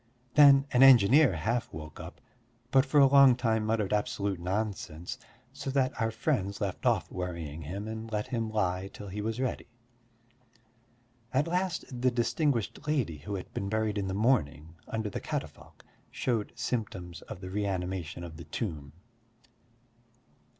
Then an engineer half woke up, but for a long time muttered absolute nonsense, so that our friends left off worrying him and let him lie till he was ready. At last the distinguished lady who had been buried in the morning under the catafalque showed symptoms of the reanimation of the tomb.